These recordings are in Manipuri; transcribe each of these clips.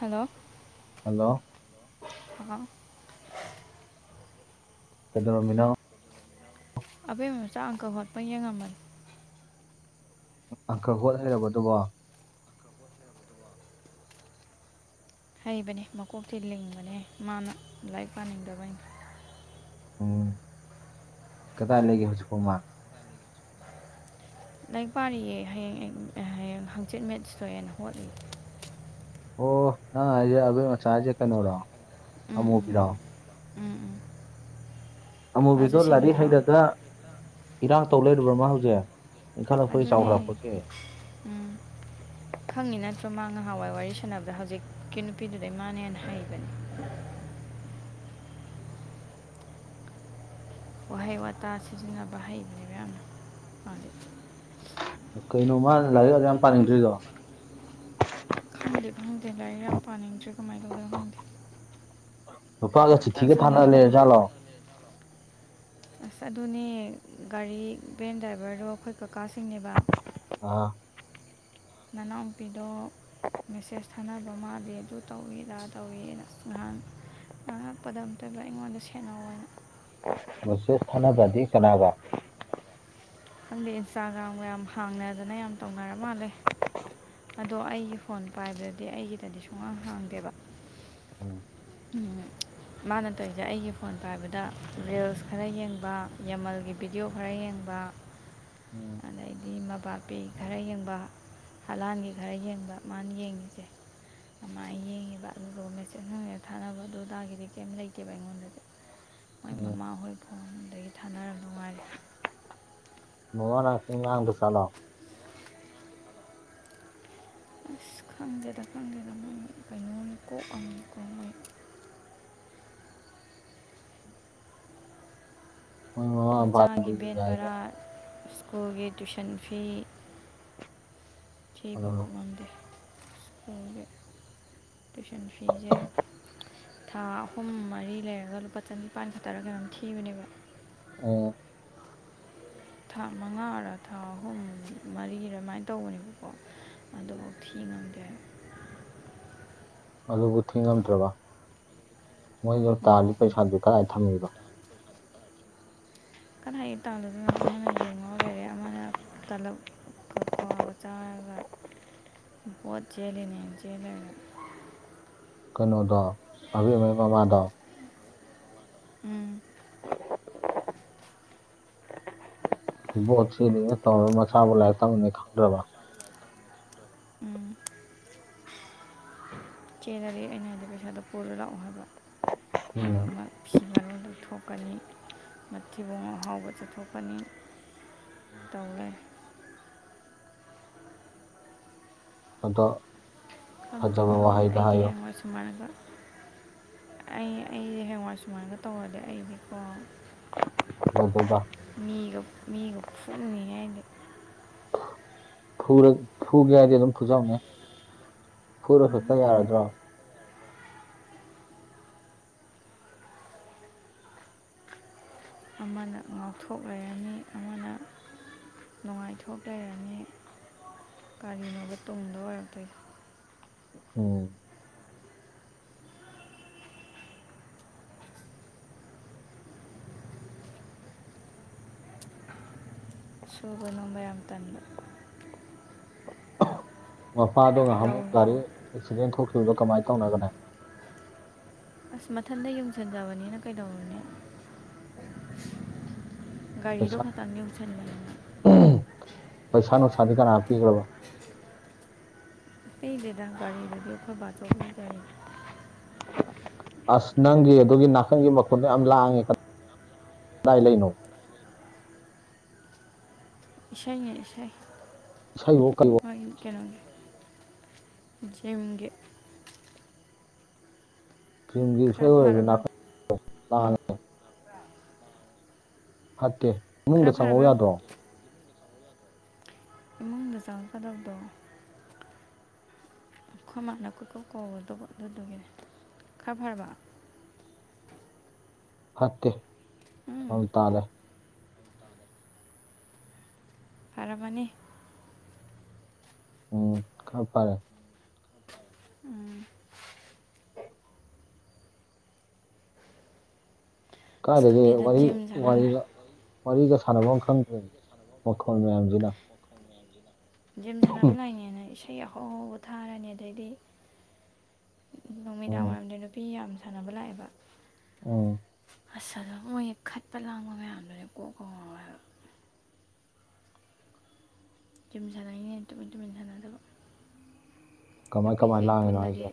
ꯍꯜꯂꯣ ꯍꯜꯂꯣ [unintelligible] ꯀꯩꯗꯣꯅꯃꯤꯅꯥ ꯑꯕꯦꯝꯃ ꯃꯆꯥ ꯑꯪꯀ ꯍꯣꯠꯄ ꯌꯦꯡꯉꯝꯕꯅꯤ ꯑꯪꯀꯔ ꯍꯣꯠ ꯍꯩꯔꯕꯣ ꯑꯗꯨꯕꯣ ꯍꯩꯕꯅꯦ ꯃꯀꯣꯛꯇꯤ ꯂꯤꯡꯕꯅꯦ ꯃꯥꯅ ꯂꯥꯏꯔꯤꯛ ꯄꯥꯅꯤꯡꯗꯕꯅꯤꯅ ꯎꯝ ꯀꯗꯥꯏ ꯂꯩꯒꯦ ꯍꯧꯖꯤꯛꯐꯥꯎꯕ ꯂꯥꯏꯔꯤꯛ ꯄꯥꯔꯤꯌꯦ ꯍꯌꯦꯡ ꯍꯌꯦꯡ ꯍꯪꯆꯤꯠ ꯃꯦꯠ ꯁꯇꯣꯏꯑꯦꯅ ꯍꯣꯠꯂꯤ ꯑꯣ ꯅ ꯑ ꯃꯆꯥꯥꯏꯖꯦ ꯀꯩꯅꯣꯔꯣ ꯎꯝ ꯎꯝ ꯑꯃꯨꯕꯤꯔꯣ ꯎꯝ ꯎꯝ ꯑꯃꯨꯕꯤꯗꯣ ꯃꯥꯁꯨ ꯂꯥꯏꯔꯤꯛ ꯁꯤꯡꯗ꯭ꯔꯣ ꯍꯩꯔꯒ ꯏꯔꯥꯡ ꯇꯧ ꯂꯩꯕꯣ ꯃꯥ ꯍꯧꯖꯤꯛ ꯏꯟꯈꯠꯂꯛꯄꯒꯤ ꯑꯗꯨꯅꯦ ꯆꯥꯎꯈꯠꯂꯛꯄꯒꯤ ꯎꯝ [inaudible] ꯈꯪꯉꯤ ꯅꯠꯇ꯭ꯔꯣ ꯃꯥ ꯉꯍꯥꯟꯋꯥꯏ ꯋꯥꯔꯤ ꯁꯥꯟꯅꯕꯗ ꯍꯧꯖꯤꯛꯀꯤ ꯅꯨꯄꯤꯗꯨꯗ ꯏꯃꯥꯅꯦ ꯍꯦꯅ ꯍꯩꯕꯅꯤ ꯋꯥꯍꯩ ꯋꯥꯇꯥ ꯁꯤꯖꯤꯟꯅꯕ ꯍꯩꯕꯅꯦꯕ ꯌꯥꯝꯅ ꯃꯥ ꯀꯩꯅꯣ ꯃꯥ ꯂꯥꯏꯔꯤꯛ ꯑꯌꯥꯝ ꯄꯥꯅꯤꯡꯗ꯭ꯔꯤꯗꯣ ꯈꯪꯗꯦ ꯈꯪꯗꯦ ꯂꯥꯏꯔꯤꯛ ꯌꯥꯝ ꯄꯥꯅꯤꯡꯗ꯭ꯔꯦ ꯀꯃꯥꯏꯅ ꯇꯧꯗꯦ ꯈꯪꯗꯦ ꯅꯨꯄꯥꯒ ꯉꯍꯥꯛꯇꯪ ꯆꯤꯊꯤꯒ ꯊꯥꯅ ꯁꯪꯕꯗ ꯂꯩꯔꯖꯥꯠꯂꯣ ꯑꯁ ꯑꯗꯨꯅꯦ ꯒꯥꯔꯤ ꯚꯦꯟ ꯗ꯭ꯔꯥꯏꯚꯔꯗꯣ ꯑꯩꯈꯣꯏ ꯀꯀꯥꯁꯤꯡꯅꯦꯕ ꯑꯥ ꯃꯅꯥꯎꯄꯤꯗꯣ ꯃꯦꯁꯦꯁ ꯊꯥꯅꯕ ꯃꯥꯂꯦ ꯑꯗꯨ ꯇꯧꯏ ꯑꯗ ꯇꯧꯏꯅ ꯅꯍꯥꯟ ꯉ ꯍꯥꯞꯄꯗ ꯑꯝꯇꯗ ꯑꯩꯉꯣꯟꯗ ꯁꯦꯟꯅꯧ ꯍꯥꯏꯅ ꯃꯦꯁꯦꯁ ꯊꯥꯅꯕꯗꯤ ꯀꯅꯥꯒ ꯈꯪꯗꯦ ꯏꯟꯁꯇꯥꯒ꯭ꯔꯥꯝꯒ ꯌꯥꯝ ꯍꯥꯡꯅꯗꯅ ꯌꯥꯝ ꯇꯧꯅꯔ ꯃꯥꯜꯂꯦ ꯑꯗꯣ ꯑꯩꯒꯤ ꯐꯣꯟ ꯄꯥꯏꯕꯗꯗꯤ ꯑꯩꯒꯤꯗꯗꯤ ꯁꯨꯡꯈꯥꯡ ꯍꯥꯡꯗꯦꯕ ꯎꯝ ꯎꯝ ꯃꯥꯅ ꯇꯧꯔꯤꯁꯦ ꯑꯩꯒꯤ ꯐꯣꯟ ꯄꯥꯏꯕꯗ ꯔꯤꯜꯁ ꯈꯔ ꯌꯦꯡꯕ ꯌꯥꯃꯜꯒꯤ ꯚꯤꯗꯤꯑꯣ ꯈꯔ ꯌꯦꯡꯕ ꯎꯝ ꯑꯗꯩꯗꯤ ꯃꯕꯥꯄꯦꯒꯤ ꯈꯔ ꯌꯦꯡꯕ ꯍꯂꯥꯟꯒꯤ ꯈꯔ ꯌꯦꯡꯕ ꯃꯥꯅ ꯌꯦꯡꯉꯤꯁꯦ ꯑꯃꯥꯏ ꯌꯦꯡꯉꯦꯕꯥ ꯑꯗꯨꯗꯨꯒ ꯃꯦꯆꯤꯡꯍꯑ ꯊꯥꯅꯕ ꯑꯗꯨ ꯑꯗꯥꯒꯤꯗꯤ ꯀꯩꯝ ꯂꯩꯇꯦꯕ ꯑꯩꯉꯣꯟꯗꯗꯤ ꯃꯣꯏ ꯎꯝ ꯃꯃꯥꯍꯣꯏ ꯐꯣꯟꯗꯒꯤ ꯊꯥꯅꯔ ꯅꯨꯡꯉꯥꯏꯔꯦ ꯃꯉꯅ ꯋꯥꯥꯡꯗ ꯆꯂꯣ ꯑꯁ ꯈꯪꯗꯦꯗꯥ ꯈꯪꯗꯦꯗꯥ ꯃ ꯑꯩꯥꯏ ꯅꯣ ꯀꯣ ꯑꯝ ꯃꯤ ꯀꯥꯏ ꯃꯣꯏ ꯃꯃꯥ ꯃꯆꯥꯒꯤ ꯃꯄꯥꯗꯨꯁꯨ ꯕꯦꯟ ꯌꯥꯏꯅꯦ ꯕꯔꯥ ꯁ꯭ꯀꯨꯜꯒꯤ ꯇꯨꯏꯤꯁꯟ ꯐꯤ ꯎꯝ ꯊꯤꯕꯕꯧ ꯉꯝꯗꯦ ꯑꯗꯨꯅ ꯇꯨꯏꯁꯟ ꯐꯤꯁꯦ ꯊꯥ ꯑꯍꯨꯝ ꯃꯔꯤ ꯂꯩꯔꯒ ꯂꯨꯄꯥ ꯆꯅꯤꯄꯥꯟ ꯈꯛꯇꯔ ꯀꯩꯅꯣꯝ ꯊꯤꯕꯅꯦꯕ ꯑꯣ ꯊꯥ ꯃꯉꯥꯔ ꯊꯥ ꯑꯍꯨꯝ ꯃꯔꯤꯔ ꯑꯗꯨꯃꯥꯏꯅ ꯇꯧꯕꯅꯦꯕꯀꯣ ꯑꯗꯨꯐꯥꯎ ꯊꯤ ꯉꯝꯗꯦ ꯑꯗꯨꯕꯨ ꯊꯤꯉꯝꯗ꯭ꯔꯕ ꯃꯣꯏꯗꯣ ꯎꯝ ꯇꯥꯜꯂꯤ ꯄꯩꯁꯥꯗꯨ ꯀꯗꯥꯏ ꯊꯝꯃꯤꯕ ꯀꯗꯥꯥꯏ ꯇꯥꯂꯗ ꯂꯩ ꯌꯣ ꯂꯩꯔꯦ ꯑꯃꯅ ꯇꯂꯞ ꯀꯋꯥꯒ ꯆꯥꯔꯒ ꯚꯣꯠ ꯆꯦꯜꯂꯤꯅꯦ ꯆꯦꯜꯂꯒ ꯀꯩꯅꯣꯗꯣ ꯑꯕꯦꯝꯃꯩ ꯃꯃꯥꯗꯣ ꯎꯝ [inaudible] ꯕꯣꯠ ꯁꯤꯅꯤꯅ ꯇꯧ ꯃꯆꯥꯕꯨ ꯂꯥꯏꯔꯤ ꯇꯕꯅꯤ ꯈꯪꯗ꯭ꯔꯕ ꯎꯝ꯫ ꯆꯦꯟꯔꯗꯤ ꯑꯩꯅ ꯑꯗꫭ ꯄꯩꯁꯥꯗꯣ ꯄꯨꯔ ꯂꯥꯛꯑꯣ ꯍꯥꯏꯕ ꯎꯝ ꯑꯗꫭ ꯃ ꯐꯤ ꯃꯔꯣꯟ ꯂꯧꯊꯣꯛꯀꯅꯤ ꯃꯇꯊꯤꯕꯣꯡ ꯑꯍꯥꯎꯕ ꯆꯠꯊꯣꯛꯀꯅꯤ꯫ ꯇꯧ ꯂꯩ꯫ ꯑꯗꫭ ꯈꯪꯗꯦ-ꯈꯪꯗꯦ ꯑꯩꯗꯤ ꯍꯌꯦꯡꯋꯥꯏ ꯁꯨꯃꯥꯏꯅꯒ ꯑꯩ ꯑꯩꯗꯤ ꯍꯌꯦꯡꯋꯥꯏ ꯁꯨꯃꯥꯏꯅꯒ ꯇꯧꯔꯗꯤ ꯑꯩꯗꯤꯀꯣ [inaudible] ꯃꯤꯒ ꯃꯤꯒ ꯐꯨꯝꯅꯤ ꯑꯩꯗꯤ꯫ ꯐꯨꯔ ꯐꯨꯒꯦ ꯍꯥꯏꯗꯤ ꯑꯗꯨꯝ ꯐꯨꯖꯧꯅꯦ꯫ ꯐꯨꯔ ꯈꯛꯇ ꯌꯥꯔꯗ꯭ꯔꯣ꯫ ꯑꯃꯅ ꯉꯥꯎꯊꯣꯛ ꯂꯩꯔꯅꯤ ꯑꯃꯅ ꯅꯨꯡꯉꯥꯏꯊꯣꯛ ꯂꯩꯔꯅꯤ ꯀꯔꯤꯅꯣꯕ ꯇꯨꯡꯗ ꯑꯣꯏꯔꯛꯇꯣꯏꯁꯦ꯫ ꯎꯝ꯫ ꯁꯨꯕ ꯅꯣꯝꯕ ꯌꯥꯝ ꯇꯟꯕ꯫ ꯃꯄꯥꯗꯣ ꯂꯧ ꯉꯥꯏꯍꯥꯛꯃꯨꯛ ꯒꯥꯔꯤ ꯑꯦꯛꯁꯤꯗꯦꯟ ꯊꯣꯛꯈꯤꯕꯗꯣ ꯀꯃꯥꯏꯅ ꯇꯧꯅꯒꯅ꯫ꯦ ꯑꯁ ꯃꯊꯟꯗ ꯌꯨꯡꯁꯟꯖꯕꯅꯤꯅ ꯀꯩꯗꯧꯔꯨꯅꯤ꯫ [inaudible] ꯒꯥꯔꯤꯗꯣ ꯄꯩꯁꯥ ꯈꯇꯪ ꯌꯨꯡꯁꯟꯕꯅꯤ꯫ [unintelligible] ꯄꯩꯁꯥ ꯅꯨꯡꯁꯥꯗꯤ ꯀꯅꯥ ꯄꯤꯈ꯭ꯔꯕ꯫ ꯄꯤꯗꯦꯗꯥ ꯒꯥꯔꯤꯗꯨꯗꯤ ꯑꯩꯈꯣꯏ ꯕꯥꯆꯧꯒꯤ ꯒꯥꯔꯤꯅꯤ꯫ ꯑꯁ ꯅꯪꯒꯤ ꯑꯗꯨꯒꯤ ꯅꯥꯀꯟꯒꯤ ꯃꯈꯨꯟꯗꯣ ꯌꯥꯝ ꯂꯥꯡꯉꯦ ꯀ ꯀꯗꯥꯏ ꯂꯩꯅꯣ꯫ ꯏꯁꯩꯅꯤ ꯏꯁꯩ꯫ ꯏꯁꯩꯕꫭ ꯀꯩꯋꫭ ꯍꯣꯏ ꯀꯩꯅꫭꯒꯤ ꯖꯤꯝꯒꯤ꯫ ꯊꯤꯟꯒꯤ ꯈꯔ ꯏꯁꯩ ꯐꯔꯕ ꯑꯣꯏꯔꯁꯨ꯫ ꯌꯦꯡꯉꯨ [inaudible] [inaudible] ꯐꯠꯇꯦ ꯈꯔ ꯃꯅꯨꯡꯗ ꯐꯔꯕ ꯆꯪꯉꯧ ꯌꯦꯡꯉꯨ ꯌꯥꯗ꯭ꯔꯣ꯫ ꯏꯃꯨꯡꯗ ꯆꯪꯉꯛꯀꯗꯕꯗꯣ ꯑꯈꯣꯏ ꯃꯥꯅ ꯀꯣꯏꯀꯣꯏ ꯀꯧꯔꯗꯕ ꯗꯨꯒꯤꯅꯦ ꯈꯔ ꯐꯔꯕ꯫ ꯐꯠꯇꯦ ꯎꯝ ꯑꯗꯨꯝ ꯇꯥꯂꯩ꯫ ꯐꯔꯕꯅꯤ꯫ ꯎꯝ ꯈꯔ ꯐꯔꯦ꯫ ꯎꯝ꯫ ꯑꯁ ꯀꯥꯏꯗꯒꯤ ꯈꯪꯗꯦꯗ ꯋꯥꯔꯤ ꯖꯤꯝ ꯁꯥꯟꯅꯅ ꯋꯥꯔꯤꯒ ꯋꯥꯔꯤꯒ ꯁꯥꯟꯅꯐꯝ ꯈꯪꯗ꯭ꯔꯦ ꯃꯈꯣꯜ ꯃꯌꯥꯝꯁꯤꯅ꯫ ꯖꯤꯝ ꯁꯥꯟꯅꯕ ꯂꯥꯏꯅꯦꯅ ꯏꯁꯩ ꯑꯍꯥꯧꯍꯧꯕ ꯊꯥꯔꯅꯤ ꯑꯗꯩꯗꯤ ꯅꯨꯃꯤꯗꯥꯡ ꯎꯝ ꯋꯥꯏꯔꯝꯗ ꯅꯨꯄꯤ ꯌꯥꯝ ꯁꯥꯟꯅꯕ ꯂꯥꯛꯑꯦꯕ ꯎꯝ꯫ ꯑꯁ ꯑꯗꯨ ꯃꯣꯏꯒꯤ ꯈꯠꯄ ꯂꯥꯡꯕ ꯃꯌꯥꯝꯗꯨꯅꯦ ꯀꯣꯛꯀ ꯉꯥꯎꯋꯦ ꯍꯥꯏꯕ꯫ ꯖꯤꯝ ꯁꯥꯟꯅꯩꯅꯦ ꯇꯨꯃꯤꯟ ꯇꯨꯃꯤꯟ ꯁꯥꯟꯅꯗꯕ꯫ ꯀꯃꯥꯏ ꯀꯃꯥꯏ ꯅꯨꯄꯤꯈꯩ ꯂꯥꯡꯉꯤꯅꯣ ꯄꯨꯜꯂꯗꯤ ꯍꯥꯏꯁꯦ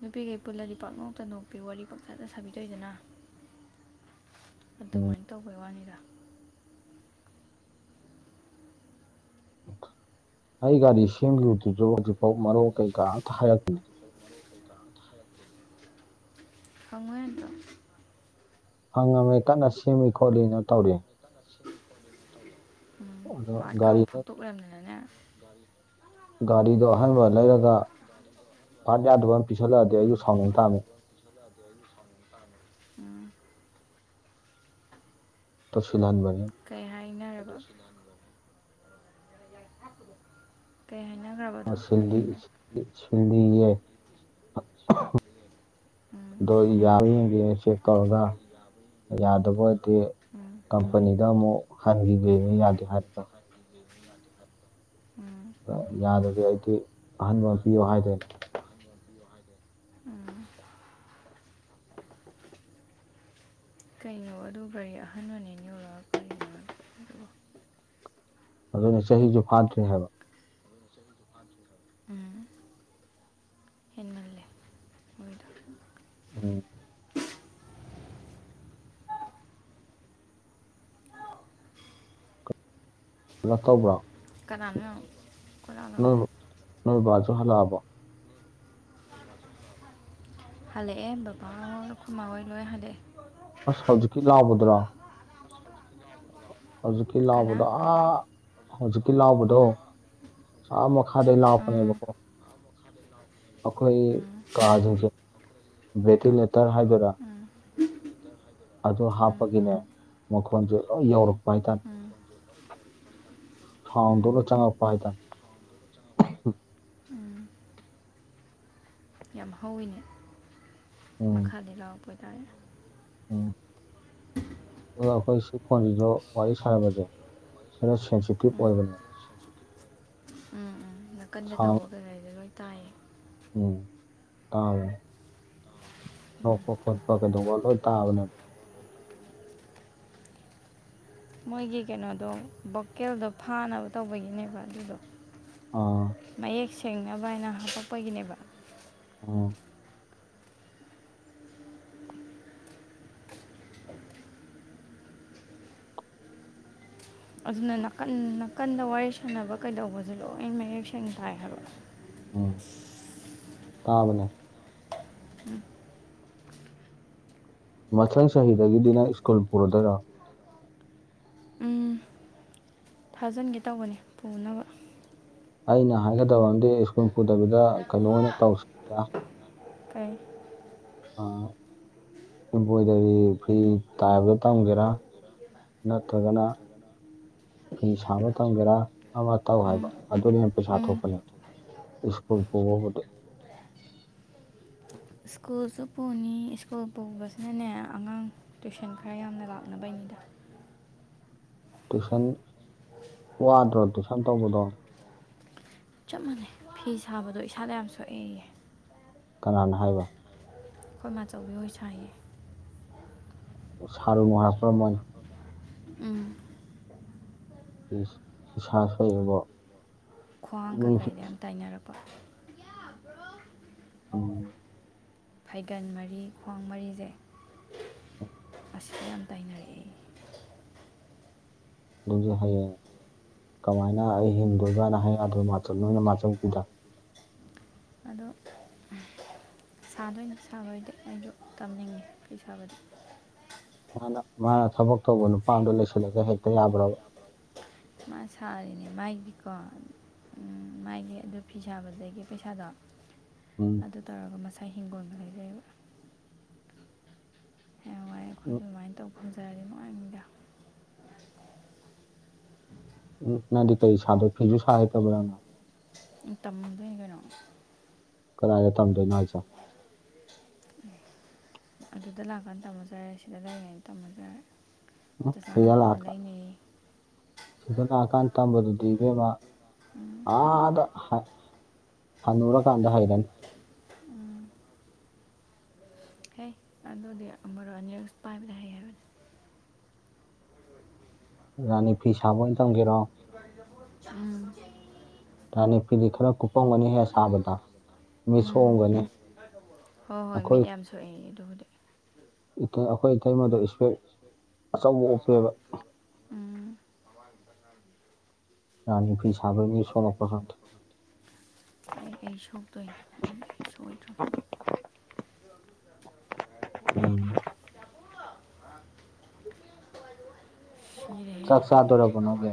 ꯅꯨꯄꯤꯈꯩ ꯄꯨꯜꯂꯗꯤ ꯄꯥꯛꯅꯣꯛꯇ ꯅꯣꯛꯄꯤ ꯋꯥꯔꯤ ꯄꯪꯁꯥꯗ ꯁꯥꯕꯤ ꯗꯣꯏꯗꯅ꯫ ꯎꯝ ꯑꯗꯨꯃꯥꯏ ꯇꯧꯕꯩ ꯋꯥꯅꯤꯗ꯫ ꯑꯩ ꯒꯥꯔꯤ ꯁꯦꯝꯈꯤꯕꯗꯨꯁꯨ ꯍꯧꯖꯤꯛꯐꯥꯎ ꯃꯔꯣꯛ ꯀꯩꯀꯥ ꯑꯝꯇ ꯍꯥꯏꯔꯛꯇ꯭ꯔꯤ꯫ [inaudible] ꯍꯪꯎ ꯌꯥꯗ꯭ꯔꫭ꯫ ꯍꯪꯉꯝꯃꯦ ꯀꯟꯅ ꯁꯦꯝꯃꯤ ꯈꯣꯠꯂꯤꯅ ꯇꯧꯔꯤ꯫ [unintelligible] ꯎꯝ ꯑꯗꯣ ꯄꯥꯠꯀ ꯒꯥꯔꯤ ꯑꯃꯨ ꯐꯠꯇꯣꯛ ꯂꯩꯔꯝꯗꯅꯅꯦ꯫ ꯒꯥꯔꯤꯗꯣ ꯑꯍꯥꯟꯕ ꯂꯩꯔꯒ ꯄꯥꯠ ꯌꯥꯗꯕ ꯑꯃ ꯄꯤꯁꯜꯂꯛꯑꯗꯤ ꯑꯩꯁꯨ ꯎꯝ ꯁꯥꯎꯅꯤꯡ ꯇꯥꯝꯃꯤ꯫ [inaudible] ꯎꯝ꯫ ꯇꯣ ꯐꯤ ꯂꯥꯟꯕ ꯀꯩ ꯍꯥꯏꯅꯔꯕ ꯀꯩ ꯍꯥꯏꯅꯈ꯭ꯔꯕ ꯁꯤꯜꯂꯤꯦ ꯎꯝ ꯑꯗꯣ ꯌꯥꯔꯤꯉꯒꯤ ꯆꯦꯛ ꯇꯧꯔꯒ ꯌꯥꯗꯕ ꯑꯣꯏꯗꯤ ꯎꯝ ꯀꯝꯄꯅꯤꯗ ꯑꯃꯨꯛ ꯍꯟꯒꯦꯕ ꯌꯥꯗꯦ ꯍꯥꯏꯔꯒ ꯎꯝ ꯌꯥꯗ꯭ꯔꯗꯤ ꯑꯩꯗꯤ ꯑꯍꯟꯕ ꯑꯃ ꯄꯤꯌꯣ ꯍꯥꯏꯗꯣꯏꯅꯦ ꯎꯝ ꯀꯩꯅꯣ ꯑꯗꯨ ꯒꯥꯔꯤ ꯑꯍꯟꯅꯅꯦ ꯌꯧꯔꯛ ꯀꯔꯤꯅꯣ ꯑꯗꯨꯅ ꯆꯍꯤꯁꯨ ꯐꯥꯗ꯭ꯔꯤ ꯍꯥꯏꯕ ꯎꯝ ꯍ ꯎꯝ ꯣ ꯇꯧꯕ꯭ꯔꯣ ꯀꯅꯥꯅ ꯅꯣꯏ ꯅꯣꯏꯕꯖꯨ ꯍꯜꯂꯥꯛꯑꯕꯣ ꯍꯜꯂꯛꯑꯦ ꯕꯕꯥꯍꯣꯏ ꯈꯣꯏꯃꯥ ꯍꯣꯏ ꯂꯣꯏ ꯍꯜꯂꯦ ꯑꯁ ꯍꯧꯖꯤꯛꯀꯤ ꯂꯥꯎꯕꯗ꯭ꯔꯣ ꯍꯧꯖꯤꯛꯀꯤ ꯀꯅꯥ ꯂꯥꯎꯕꯗꯣ ꯑꯥ ꯍꯧꯖꯤꯛꯀꯤ ꯂꯥꯎꯕꯗꯣ ꯑ ꯃ ꯈꯗ ꯎꯝ ꯂꯑꯣꯅꯤꯕꯀꯣ ꯑꯩꯈꯣꯏ ꯎꯝ ꯀꯥꯁꯤꯡꯁꯦ ꯚꯦꯟꯇꯤꯂꯦꯇꯔ ꯍꯥꯏꯒꯣꯏꯔꯥ ꯎꯝ ꯑꯗꯨ ꯎꯝ ꯍꯥꯞꯄꯒꯤꯅꯦ ꯃꯈꯣꯟꯁꯦ ꯂꯣꯏ ꯌꯧꯔꯛꯄ ꯍꯥꯏꯇꯥꯔꯦ ꯎꯝ ꯎꯝ ꯍꯥꯎꯗꯣꯂꯣ ꯆꯪꯉ ꯄ ꯍꯥꯏ ꯇꯅꯤ ꯎꯝ ꯌꯥꯝ ꯍꯧꯋꯤꯅꯦ ꯃꯈꯥꯗꯤ ꯂꯥꯎꯔꯛꯄꯇꯥꯔꯦ ꯑꯣ ꯑꯗꯨꯒ ꯑꯩꯈꯣꯏ ꯁꯤ ꯐꯣꯟꯁꯤꯁꯨ ꯋꯥꯔꯤ ꯁꯥꯟꯅꯕꯁꯦ ꯈꯔ ꯁꯦꯟꯁꯤꯇꯤꯞ ꯎꯝ ꯑꯣꯏꯕꯅꯦ ꯅꯥ ꯀꯟꯅ ꯁꯥꯎꯟ ꯇꯧꯕ ꯀꯩꯅꯣ ꯍꯥꯏꯗ ꯂꯣꯏ ꯇꯥꯏꯌꯦ ꯎꯝ ꯇꯥꯎ ꯅꯣꯛꯄ ꯈꯣꯠꯄ ꯀꯩꯗꯧꯕ ꯂꯣꯏ ꯇꯥꯕꯅꯦꯕ ꯃꯣꯏꯒꯤ ꯀꯩꯅꯣꯗꯣ ꯚꯣꯀꯦꯜꯗꯣ ꯐꯥꯅꯕ ꯇꯧꯕꯒꯤꯅꯦꯕ ꯑꯗꯨꯗꯣ ꯑꯥ ꯃꯌꯦꯛ ꯁꯦꯡꯅꯕ ꯍꯥꯏꯅ ꯍꯥꯇꯣꯛꯄꯒꯤꯅꯦꯕ ꯑꯣ ꯑꯗꯨꯅ ꯅꯥꯀꯟ ꯅꯥꯀꯟꯗ ꯋꯥꯔꯤ ꯁꯥꯟꯅꯕ ꯀꯩꯗꯧꯕꯁꯦ ꯂꯣꯏ ꯃꯌꯦꯛ ꯁꯦꯡꯅ ꯇꯥꯏ ꯍꯥꯏꯕ ꯎꯝ ꯇꯥꯕꯅꯦ ꯃꯊꯪ ꯆꯍꯤꯗꯒꯤꯗꯤ ꯅꯪ ꯁ꯭ꯀꯨꯜ ꯄꯨꯔꯗꯣꯏꯔꯣ ꯑꯝ ꯊꯥꯖꯤꯟꯒꯦ ꯇꯧꯕꯅꯤ ꯄꯨꯅꯕ ꯑꯩꯅ ꯍꯥꯏꯒꯗꯕ ꯑꯝꯗꯤ ꯁ꯭ꯀꯨꯜ ꯄꯨꯗꯕꯤꯗ ꯀꯩꯅꯣ ꯑꯣꯏꯅ ꯇꯧꯁꯤ ꯀꯥꯏ ꯏꯝꯕ꯭ꯔꯣꯏꯗꯔꯤ ꯐ꯭ꯔꯤ ꯇꯥꯏꯕ ꯇꯝꯒꯦꯔꯥ ꯅꯠꯇ꯭ꯔꯒꯅ ꯐꯤ ꯁꯥꯕ ꯇꯝꯒꯦꯔꯥ ꯑꯃ ꯇꯧ ꯍꯥꯏꯕ ꯎꯝ ꯑꯗꯨꯅ ꯍꯦꯟ ꯄꯩꯁꯥ ꯎꯝ ꯊꯣꯛꯄꯅꯦ ꯁ꯭ꯀꯨꯜ ꯄꯣꯕꯨꯗꯤ ꯁ꯭ꯀꯨꯜꯁꯨ ꯄꯨꯅꯤ ꯁ꯭ꯀꯨꯜ ꯄꯨꯕꯁꯤꯅꯅꯦ ꯑꯉꯥꯡ ꯇꯨꯏꯁꯟ ꯈꯔ ꯌꯥꯝꯅ ꯂꯥꯛꯅꯕꯅꯤꯗ ꯇꯨꯏꯁꯟ ꯋꯥꯗ꯭ꯔꯣ ꯇꯨꯏꯁꯟ ꯇꯧꯕꯗꯣ ꯆꯞ ꯃꯥꯟꯅꯩ ꯐꯤ ꯁꯥꯕꯗꯣ ꯏꯁꯥꯗ ꯌꯥꯝ ꯁꯣꯛꯑꯦꯌꯦ ꯀꯅꯥꯅ ꯍꯥꯏꯕ ꯑꯩꯈꯣꯏ ꯃꯥꯆꯧꯕꯤ ꯑꯣꯏ ꯁꯌꯦ [unintelligible] ꯎꯝ ꯏꯁꯥ ꯁꯣꯏꯏꯕꯣ ꯈ꯭ꯋꯥꯡ ꯀꯩꯀꯩꯗ ꯌꯥꯝ ꯇꯥꯏꯅꯔꯛꯄ ꯎꯝ ꯐꯩꯒꯟ ꯃꯔꯤ ꯈ꯭ꯋꯥꯡ ꯃꯔꯤꯁꯦ ꯑꯁꯤꯁꯨ ꯌꯥꯝ ꯇꯥꯏꯅꯔꯛꯑꯦ ꯑꯗꯨꯁ ꯍꯌꯦꯡ ꯀꯃꯥꯏꯅ ꯑꯩ ꯍꯦꯟꯗꯣꯏꯕꯥꯅ ꯍꯥꯏꯗ꯭ꯔꯣ ꯃꯥꯆꯧ ꯅꯣꯏꯅ ꯃꯥꯆꯧꯁꯤꯗ ꯑꯗꯣ ꯁꯥꯗꯣꯏꯅ ꯁꯥꯕꯩꯗꯤ ꯑꯩꯁꯨ ꯇꯝꯅꯤꯡꯉꯦ ꯐꯤ ꯁꯥꯕꯗꯤ ꯃꯥꯅ ꯃꯥꯅ ꯊꯕꯛ ꯇꯧꯕ ꯅꯨꯄꯥ ꯑꯗꯣ ꯂꯩꯁꯤꯜꯂꯒ ꯍꯦꯛꯇ ꯌꯥꯕ꯭ꯔꯕ ꯃꯥ ꯁꯥꯔꯤꯅꯦ ꯃꯥꯏꯒꯤꯀꯣ ꯎꯝ ꯃꯥꯒꯤ ꯑꯗꯨ ꯐꯤ ꯁꯥꯕꯗꯒꯤ ꯄꯩꯁꯥꯗꯣ ꯎꯝ ꯑꯗꯨ ꯇꯧꯔꯒ ꯃꯁꯥ ꯍꯤꯡꯒꯣꯟꯗ ꯂꯩꯖꯩꯕ ꯑꯩ ꯑꯩꯈꯣꯏꯁꯨ ꯎꯝ ꯑꯗꯨꯃꯥꯏꯅ ꯇꯧ ꯈꯟꯖꯔꯗꯤ ꯅꯨꯡꯉꯥꯏꯉꯗ ꯎ ꯅꯪꯗꯤ ꯀꯔꯤ ꯁꯥꯗꯣꯏ ꯐꯤꯁꯨ ꯁꯥꯦ ꯇꯕ꯭ꯔꯥꯅ ꯎ ꯇꯝꯃꯗꯣꯏꯅꯦ ꯀꯩꯅꯣ ꯀꯗꯥꯏꯗ ꯊꯝꯗꯣꯏꯅꯣ ꯍꯥꯏꯁꯦ ꯑꯗꯨꯗ ꯂꯥꯛꯀꯥꯟꯗ ꯇꯝꯃꯖꯔꯦ ꯁꯤꯗ ꯂꯩꯔꯤꯉꯩꯗ ꯇꯝꯃꯁꯔꯦ ꯎꯝ ꯆꯖꯥꯅ ꯁꯤꯗ ꯀꯣꯟ ꯂꯥꯛꯑꯀꯥꯟ ꯂꯩꯅꯩ ꯁꯤꯗ ꯂꯥꯛꯑꯀꯥꯟ ꯇꯝꯕꯗꯨꯗꯤ ꯏꯕꯦꯝꯃ ꯎꯝ ꯑꯥꯗ ꯍꯅꯔ ꯀꯥꯟꯗ ꯍꯥꯏꯔꯅꯤ ꯍ ꯑꯗꯨꯗꯤ ꯑꯃꯔꯣ ꯅ꯭ꯌꯨꯁ ꯄꯥꯏꯕꯗ ꯍꯩ ꯍꯥꯏꯕꯅꯦ ꯔꯥꯅꯤ ꯐꯤ ꯁꯥꯕ ꯑꯣꯏꯅ ꯇꯝꯒꯦꯔꯣ ꯎꯝ ꯅꯤ ꯐꯤꯗꯤ ꯈꯔ ꯀꯨꯞꯄꯝꯒꯅꯤꯍꯦꯛ ꯁꯥꯕꯗ ꯃꯤ ꯎꯝ ꯁꯣꯡꯝꯒꯅꯤ ꯍꯣꯏ ꯍꯣꯏ ꯃꯤꯠ ꯌꯥꯝ ꯁꯣꯛꯑꯦ ꯑꯗꯨꯕꯨꯗꯤ ꯑꯩꯈꯣꯏ ꯏꯇꯩꯃꯣꯗ ꯏꯁꯄꯦꯛ ꯑꯆꯧꯕ ꯑꯣꯞꯄꯦꯕ ꯎꯝ ꯔꯥꯅꯤꯈ ꯁꯃꯩꯅꯤ ꯁꯣꯂꯣꯄ꯭ꯔ ꯍꯥꯟꯗ ꯑꯦ ꯑꯩ ꯁꯣꯛꯇꯣꯏꯅꯦ ꯑꯩ ꯁꯣꯛꯑꯣꯏꯗꯣꯏ [unintelligible] ꯆꯥꯛ ꯆꯥꯗꯣꯔꯕꯣ ꯅꯣꯏꯒꯤ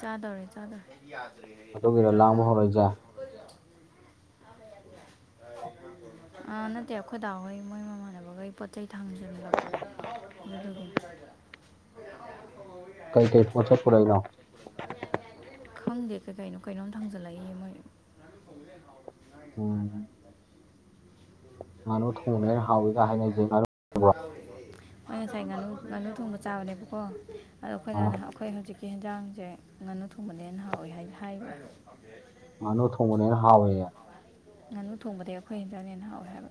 ꯆꯥꯗꯔꯦ ꯆꯥꯗ ꯌꯥ ꯑꯗꯨꯒꯥ ꯑꯗꯨꯒꯤꯔ ꯂꯥꯡꯕ ꯍꯧꯔꯛꯏꯁꯦ ꯅꯠꯇꯦ ꯑꯩꯈꯣꯏꯗꯥ ꯍꯣꯏ ꯃꯣꯏ ꯃꯃꯥꯟꯅꯕꯒꯩ ꯄꯣꯠ ꯆꯩ ꯊꯥꯡꯖꯟꯂꯛꯄ [unintelligible] ꯀꯩ ꯗꯦꯁꯃ ꯆ ꯄꯨꯔꯏ ꯂꯥꯎꯑꯣ ꯈꯪꯗꯦꯀꯩ ꯀꯥꯏꯅꯣ ꯀꯥꯏꯅꯣꯅ ꯊꯥꯡꯖꯜꯂꯏꯣꯏ ꯍ ꯎꯝ ꯉꯥꯅꯨ ꯊꯣꯡꯕꯅꯦꯅ ꯍꯥꯎꯋꯤꯒ ꯍꯥꯏꯅꯩꯁꯦ ꯉꯥꯅꯨ [unintelligible] ꯃꯣꯏ ꯉꯁꯥꯏ ꯉꯥꯅꯨ ꯉꯥꯅꯨ ꯊꯣꯡꯕ ꯆꯥꯕꯅꯦꯕꯀꯣ ꯑꯗꯣ ꯑꯥ ꯑꯩꯈꯣꯏꯅꯅ ꯑꯩꯈꯣꯏ ꯍꯧꯖꯤꯛꯀꯤ ꯍꯟꯖꯥꯡꯁꯦ ꯉꯥꯅꯨ ꯊꯣꯡꯕꯅꯦꯅꯍꯥꯎꯋꯏ ꯍꯥꯏꯅ ꯍꯥꯏ ꯃꯥꯅꯨ ꯊꯣꯡꯕꯅꯦꯅ ꯍꯥꯎꯋꯦꯌꯦ ꯉꯥꯅꯨ ꯊꯣꯡꯕꯗꯒꯤ ꯑꯩꯈꯣꯏ ꯍꯤꯟꯖꯥꯡꯅ ꯍꯦꯟꯅ ꯍꯥꯎꯋꯦ ꯍꯥꯏꯕ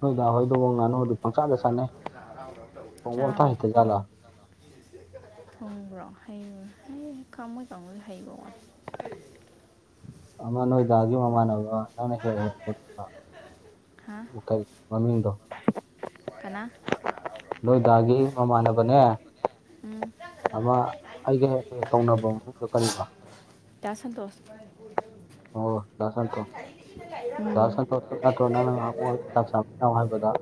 ꯍꯣꯏꯗ ꯍꯣꯏꯗꯕ ꯅꯥꯟꯅ ꯍ ꯑꯗꯨ ꯑꯝꯇ ꯆꯥꯋꯜ ꯍꯩꯇꯖꯥꯠꯂꯥ ꯍꯣꯡꯕ꯭ꯔꯣ ꯍ ꯍ ꯈꯥ ꯃ ꯑꯣꯏ ꯍꯩꯕꯧꯏ ꯑꯃ ꯅꯣꯏꯗꯥꯒꯤ ꯃꯃꯥꯟꯅꯕ ꯅꯪꯅ ꯍꯦꯛꯦꯛ ꯍꯦꯛ ꯈꯣꯠꯄ ꯀꯔꯤ ꯃꯃꯤꯡꯗ ꯅꯣꯏꯗꯥꯒꯤ ꯃꯃꯥꯟꯅꯕꯅꯦ [unintelligible] ꯎꯝ ꯑꯃ ꯑꯩꯒ ꯍꯦꯛ ꯍꯦꯛ ꯀꯧꯅꯕ ꯃꯃꯤꯡꯗꯣ ꯀꯔꯤꯕ ꯗꯥ ꯁꯟꯇꯣꯁ [unintelligible]